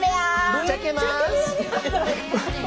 ぶっちゃけます！